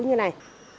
như thế này